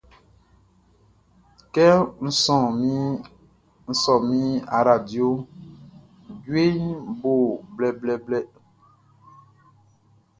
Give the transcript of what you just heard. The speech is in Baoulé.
Kɛ n sɔ min aradioʼn, djueʼn bo blɛblɛblɛ.